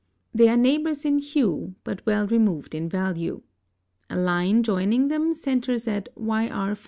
They are neighbors in hue, but well removed in value. A line joining them centres at YR5.